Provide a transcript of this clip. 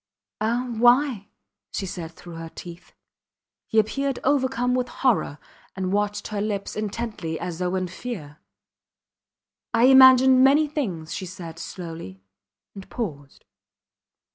Ah why? she said through her teeth. He appeared overcome with horror, and watched her lips intently as though in fear. I imagined many things, she said, slowly, and paused.